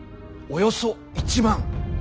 およそ１万。